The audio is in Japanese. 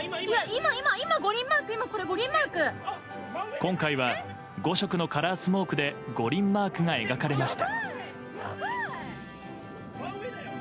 今回は５色のカラースモークで五輪マークが描かれました。